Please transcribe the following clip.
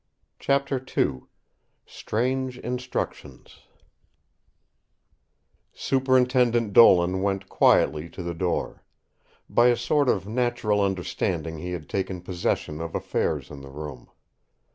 Chapter II Strange Instructions Superintendent Dolan went quietly to the door; by a sort of natural understanding he had taken possession of affairs in the room.